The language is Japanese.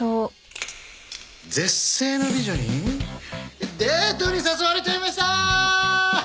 絶世の美女にデートに誘われちゃいました！